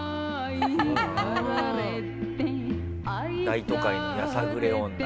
『大都会のやさぐれ女』。